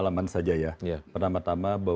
namun saya terima kasih